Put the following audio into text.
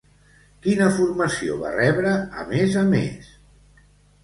Quina formació va rebre, a més a més?